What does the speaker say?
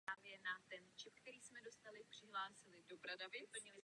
Navrhli jsme přepracování směrnice o evropské radě zaměstnanců.